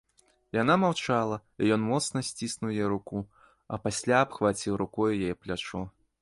Яна маўчала, і ён моцна сціснуў яе руку, а пасля абхваціў рукою яе плячо.